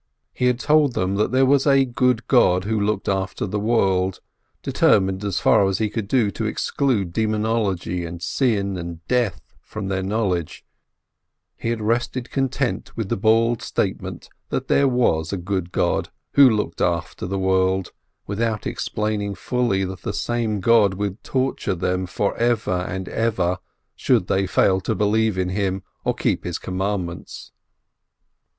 He had told them there was a good God who looked after the world; determined as far as he could to exclude demonology and sin and death from their knowledge, he had rested content with the bald statement that there was a good God who looked after the world, without explaining fully that the same God would torture them for ever and ever, should they fail to believe in Him or keep His commandments.